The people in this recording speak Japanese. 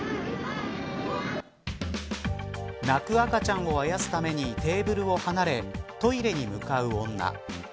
泣く赤ちゃんをあやすためにテーブルを離れトイレに向かう女。